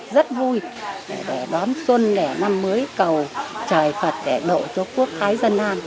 rất vui để đón xuân để năm mới cầu trời phật để đội cho quốc khái dân an